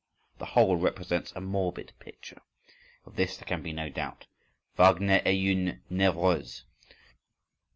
—): the whole represents a morbid picture; of this there can be no doubt. Wagner est une névrose.